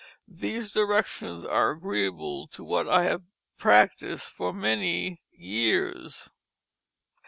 These Directions are agreable to what I have practiced for many years."